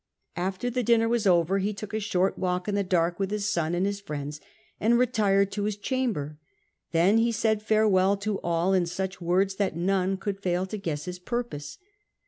After the dinner was over, he took a short walk in the dark with his son and his Mends, and retired to his chamber. Then he said farewell to all in such words that none could fail to guess his purpose.